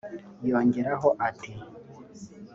yongeraho ati